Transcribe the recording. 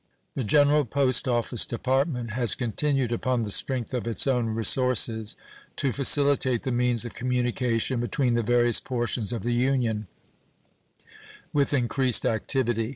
The general Post Office Department has continued, upon the strength of its own resources, to facilitate the means of communication between the various portions of the Union with increased activity.